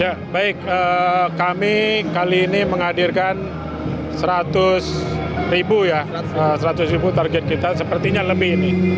ya baik kami kali ini menghadirkan seratus ribu ya seratus ribu target kita sepertinya lebih ini